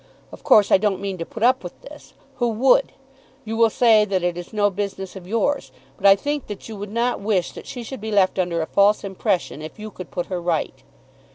Of course I don't mean to put up with this. Who would? You will say that it is no business of yours. But I think that you would not wish that she should be left under a false impression, if you could put her right.